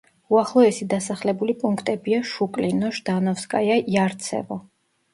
უახლოესი დასახლებული პუნქტებია: შუკლინო, ჟდანოვსკაია, იარცევო.